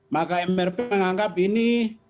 maka mrp menganggap ini